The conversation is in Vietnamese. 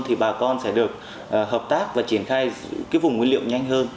thì bà con sẽ được hợp tác và triển khai cái vùng nguyên liệu nhanh hơn